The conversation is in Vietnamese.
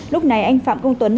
lúc này anh phạm công tuấn